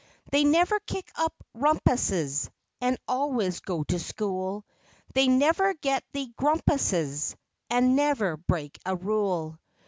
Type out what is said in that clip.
They never kick up "rumpuses," And always go to school; They never get the "grumpuses," And never break a rule.